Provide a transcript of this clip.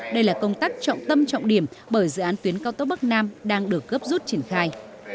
đây là công tác trọng tâm trọng điểm bởi dự án tuyến cao tốc bắc nam đang được gấp rút triển khai